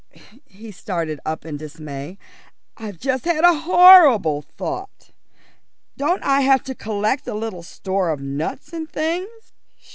He started up in dismay. "I've just had a horrible thought. Don't I have to collect a little store of nuts and things?"